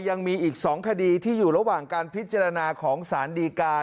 ยังมีอีก๒คดีที่อยู่ระหว่างการพิจารณาของสารดีการ